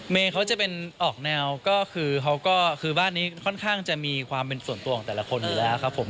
เมย์เขาจะเป็นออกแนวก็คือเขาก็คือบ้านนี้ค่อนข้างจะมีความเป็นส่วนตัวของแต่ละคนอยู่แล้วครับผม